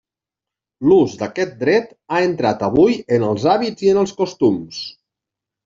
L'ús d'aquest dret ha entrat avui en els hàbits i en els costums.